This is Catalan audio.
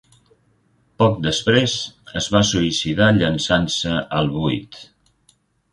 Poc després, es va suïcidar llançant-se al buit.